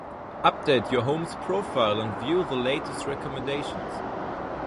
Update your home's profile and view the latest recommendations.